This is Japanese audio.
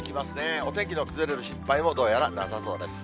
お天気の崩れる心配も、どうやらなさそうです。